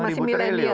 jadi masih milenial ya